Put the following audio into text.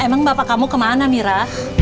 emang bapak kamu kemana mira